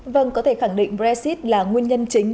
vâng có thể khẳng định brexit là nguyên nhân chính